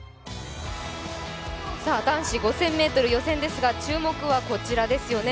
男子５０００ｍ予選ですが、注目はこちらですよね。